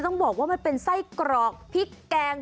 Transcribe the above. ต้องบอกว่ามันเป็นไส้กรอกพริกแกง